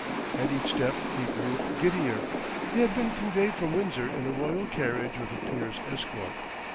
At each step he grew giddier. He had been conveyed from Windsor in a royal carriage with a peer's escort.